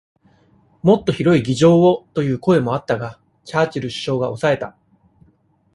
もっと広い議場をという声もあったが、チャーチル首相が抑えた。